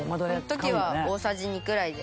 この時は大さじ２くらいで。